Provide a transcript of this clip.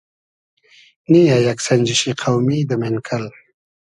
نییۂ یئگ سئنجیشی قۆمی دۂ مېنکئل